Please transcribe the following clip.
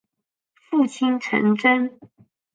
父亲陈贞。